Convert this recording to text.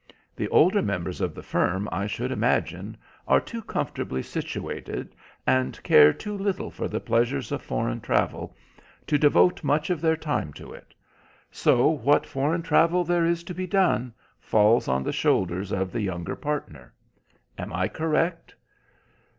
The older members of the firm, I should imagine, are too comfortably situated, and care too little for the pleasures of foreign travel, to devote much of their time to it. So what foreign travel there is to be done falls on the shoulders of the younger partner. Am I correct?"